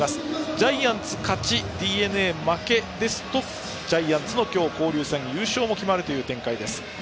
ジャイアンツ勝ちＤｅＮＡ負けですとジャイアンツが今日交流戦優勝が決まるという展開です。